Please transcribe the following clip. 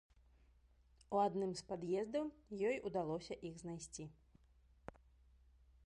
У адным з пад'ездаў ёй удалося іх знайсці.